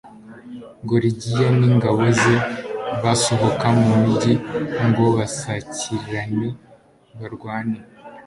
gorigiya n'ingabo ze basohoka mu mugi ngo basakirane, barwane